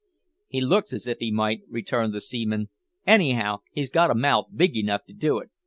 "He looks as if he might," returned the seaman; "anyhow, he's got a mouth big enough to do it.